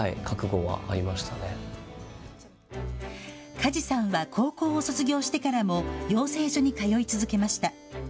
梶さんは高校を卒業してからも養成所に通い続けました。